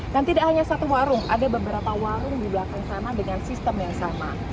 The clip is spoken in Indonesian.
dan tidak hanya satu warung ada beberapa warung di belakang sana dengan sistem yang sama